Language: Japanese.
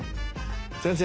先生。